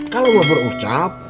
kalau mau berucap